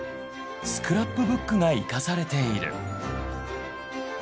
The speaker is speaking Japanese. スクラップブックが生かされている。